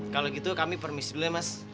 kalau gitu kami permisi dulu ya mas